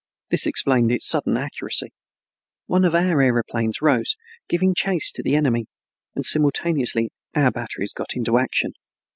This explained its sudden accuracy. One of our aeroplanes rose, giving chase to the enemy, and simultaneously our batteries got into action.